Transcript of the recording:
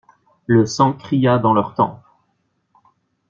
Le sang cria dans leurs tempes.